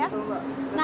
iya betul mbak